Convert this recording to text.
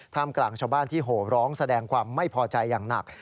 กลางชาวบ้านที่โหร้องแสดงความไม่พอใจอย่างหนัก